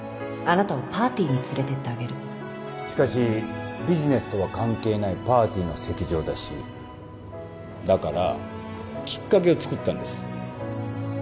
あなたをパーティーに連れてってあげるしかしビジネスとは関係ないパーティーの席上だしだからきっかけをつくったんです